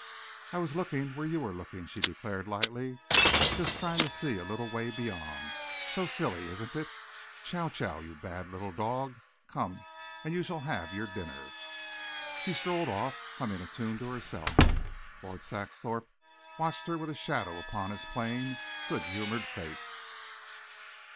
"I was looking where you were looking," she declared lightly, "just trying to see a little way beyond. So silly, isn't it? Chow Chow, you bad little dog, come and you shall have your dinner." She strolled off, humming a tune to herself. Lord Saxthorpe watched her with a shadow upon his plain, good humoured face.